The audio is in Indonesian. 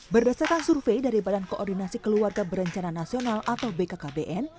berdasarkan survei dari badan koordinasi keluarga berencana nasional atau bkkbn